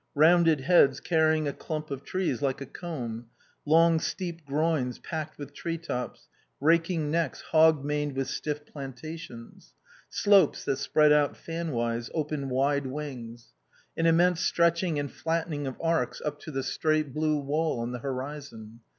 Rounded heads carrying a clump of trees like a comb; long steep groins packed with tree tops; raking necks hog maned with stiff plantations. Slopes that spread out fan wise, opened wide wings. An immense stretching and flattening of arcs up to the straight blue wall on the horizon.